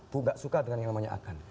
bu nggak suka dengan yang namanya akan